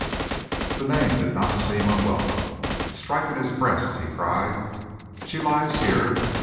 The name did not seem unwelcome. Striking his breast, he cried: "She lies here!